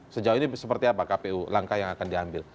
sejauh ini seperti apa kpu langkah yang akan diambil